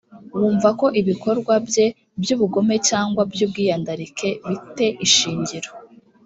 wumva ko ibikorwa bye by ubugome cyangwa by ubwiyandarike bi te ishingiro